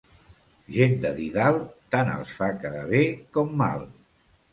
Gent de didal, tant els fa quedar bé com mal.